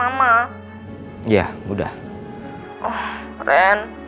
kalau mbak miji tau sudah secret